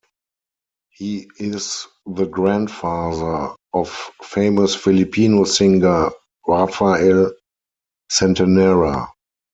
He is the grandfather of famous Filipino singer Rafael Centenera.